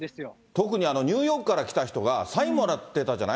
特にニューヨークから来たファンが、サインもらってたじゃない？